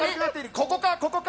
ここか、ここか？